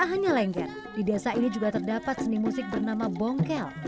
tak hanya lengger di desa ini juga terdapat seni musik bernama bongkel